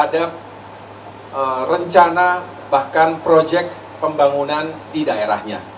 dan rencana bahkan proyek pembangunan di daerahnya